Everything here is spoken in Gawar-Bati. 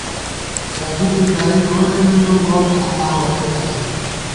ددُوپی گائےگورے ننگَؤ ، گورتھانتا ووئېتہ نئ